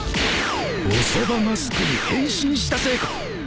おそばマスクに変身したせいか